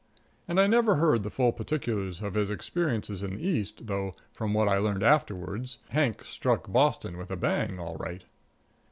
And I never heard the full particulars of his experiences in the East, though, from what I learned afterward, Hank struck Boston with a bang, all right.